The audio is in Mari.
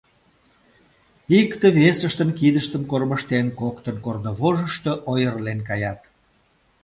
Икте-весыштын кидыштым кормыжтен, коктын корнывожышто ойырлен каят.